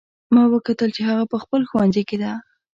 ما وکتل چې هغه په خپل ښوونځي کې ده